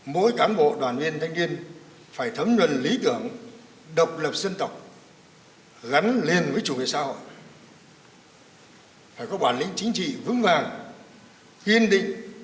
mỗi cán bộ đoàn viên thanh niên phải thấm luận lý tưởng độc lập dân tộc gắn liền với chủ nghĩa xã hội